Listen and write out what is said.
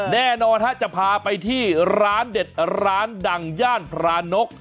แน่นอนจะพาไปที่ร้านเด็ดร้านดังย่านพรานก